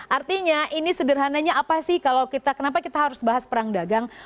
artinya ini sederhananya apa sih kalau kita kenapa kita harus bahas perang dagang